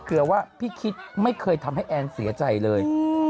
กลัวว่าพี่คิดไม่เคยทำให้แอนเสียใจเลย